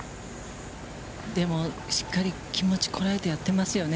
でも、しっかり気持ちこらえてやってますよね。